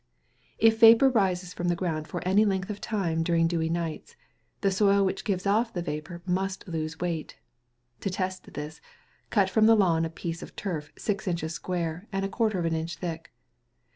If vapour rises from the ground for any length of time during dewy nights, the soil which gives off the vapour must lose weight. To test this, cut from the lawn a piece of turf six inches square and a quarter of an inch thick.